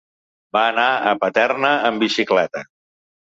Va anar a Paterna amb bicicleta.